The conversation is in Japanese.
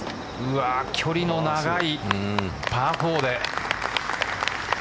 距離の長いパー４で。